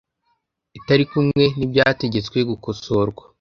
itari kumwe n ibyategetswe gukosorwa